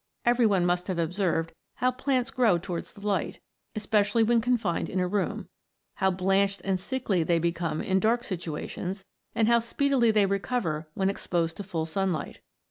Every one must have observed how plants grow towards the light, especially when confined in a room ; how blanched and sickly they become in dark situations, and how speedily they recover when exposed to full sunlight.